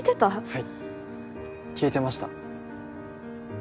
はい聞いてました